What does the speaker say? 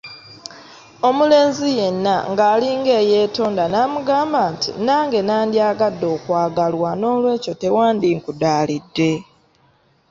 Omulenzi yenna nga alinga eyeetonda n’amugamba nti “Nange nandyagadde okwagalwa n’olwekyo tewandinkudaalidde”.